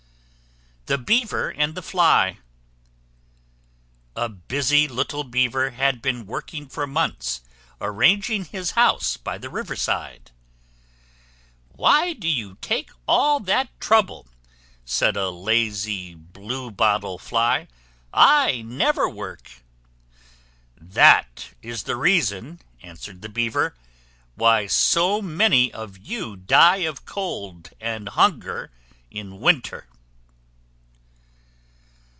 THE BEAVER AND THE FLY. A busy little Beaver had been working for months, arranging his house, by the river side. "Why do you take all that trouble?" said a lazy bluebottle Fly; "I never work." "That is the reason," answered the Beaver, "why so many of you die of cold and hunger, in winter."